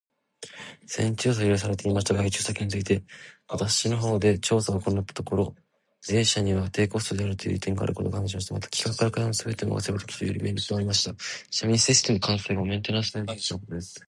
先日調査を依頼されていました外注先について、私の方で調査を行ったところ、A 社には低コストであるという利点があることが判明しました。また、企画から開発まですべてを任せることができるというメリットもありました。ちなみにシステム完成後もメンテナンス対応できるとのことです。